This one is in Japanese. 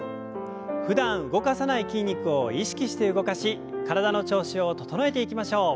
ふだん動かさない筋肉を意識して動かし体の調子を整えていきましょう。